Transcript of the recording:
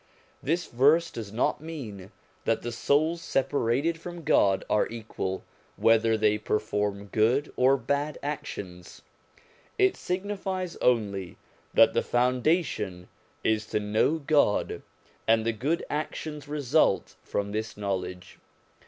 This verse does not mean that the souls separated from God are equal, whether they perform good or bad actions. It signifies only that the foundation is to know God, and the good actions result from this know ledge.